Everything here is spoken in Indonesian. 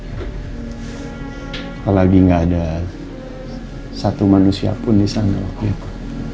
apalagi nggak ada satu manusia pun di sana waktu itu